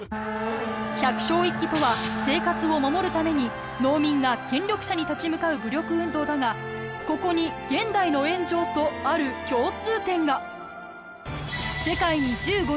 百姓一揆とは生活を守るために農民が権力者に立ち向かう武力運動だがここに現代の炎上とある共通点が。